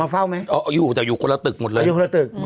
โบราณมันมาเฝ้าไหม